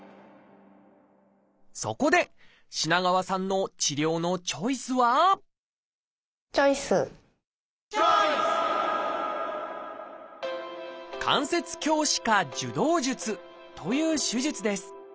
そこで品川さんの治療のチョイスはチョイス！という手術です